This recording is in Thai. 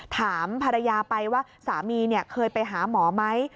ถามภรรยาไปว่าสามีเคยไปหาหมอไหม